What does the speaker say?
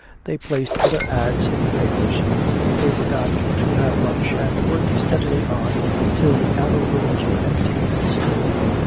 They placed other "ads" in the papers. They forgot to have lunch and worked steadily on, till the outer rooms were empty and still.